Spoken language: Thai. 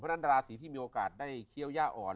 เพราะฉะนั้นราศีที่มีโอกาสได้เคี้ยวย่าอ่อน